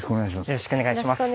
よろしくお願いします。